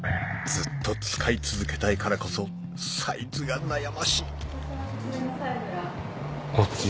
ずっと使い続けたいからこそサイズが悩ましいこっち？